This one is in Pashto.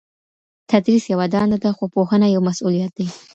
تدریس یوه دنده ده خو پوهنه یو مسؤلیت دی.